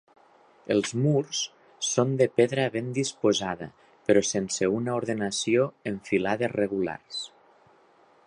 Els murs són de pedra ben disposada però sense una ordenació en filades regulars.